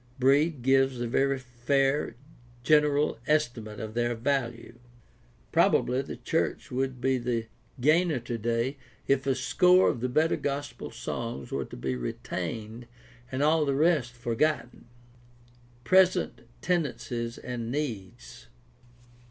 Breed gives a very fair general estimate of their value. Probably the 624 GUIDE TO STUDY OF CHRISTIAN RELIGION church would be the gainer today if a score of the better gospel songs were to be retained and all the rest forgotten. Present tendencies and needs.